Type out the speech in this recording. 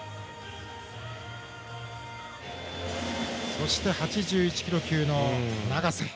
そして８１キロ級の永瀬。